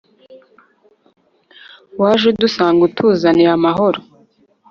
waje udusanga, utuzaniye amahoro